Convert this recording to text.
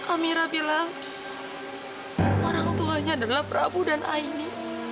amira bilang orang tuanya adalah prabu dan aini